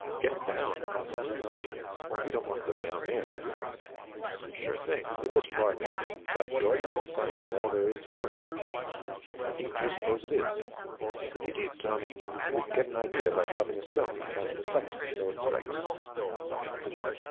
"Get down?" asked Tommy. "You don't want to go down there, do you?" "Sure thing. We're this far now and, by George, we're going to find out all there is to learn." "How deep do you suppose it is?" "Pretty deep, Tommy. But we can get an idea by dropping a stone and counting the seconds until it strikes."